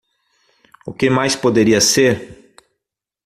O que mais poderia ser?